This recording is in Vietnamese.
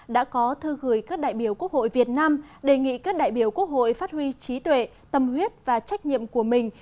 đã có thư gửi các đại biểu quốc hội việt nam đề nghị các đại biểu quốc hội phát huy trí tuệ tâm huyết và trách nhiệm của mình